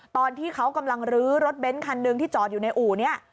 ตอนที่เขากำลังลื้อรถเบ้นคันหนึ่งที่จอดอยู่ในอู่นี้